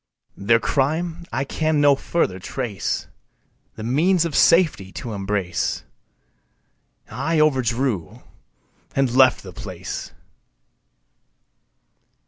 Their crime I can no further trace The means of safety to embrace, I overdrew and left the place.